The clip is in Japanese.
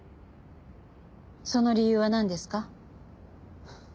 その理由はなんですか？